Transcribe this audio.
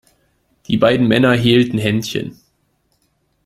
Die beiden Männer hielten Händchen.